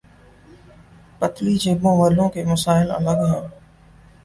پتلی جیبوں والوں کے مسائل الگ ہیں۔